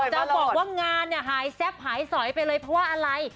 จะบอกว่างานเนี่ยหายแซ่บหายสอยไปเลยเพราะว่าอะไร